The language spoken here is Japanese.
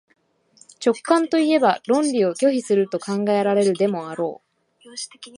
直観といえば論理を拒否すると考えられるでもあろう。